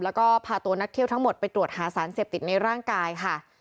แล้วก็พาตัวนักเที่ยวทั้งหมดไปตรวจหาสารเสพติดในร่างกายค่ะ